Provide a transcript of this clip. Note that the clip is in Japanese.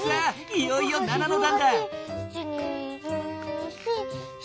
いよいよ７のだんだ！